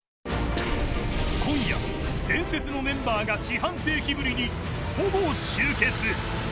今夜、伝説のメンバーが四半世紀ぶりにほぼ集結。